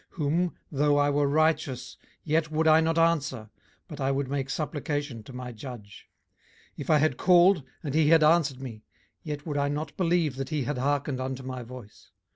18:009:015 Whom, though I were righteous, yet would I not answer, but I would make supplication to my judge. 18:009:016 If I had called, and he had answered me; yet would I not believe that he had hearkened unto my voice.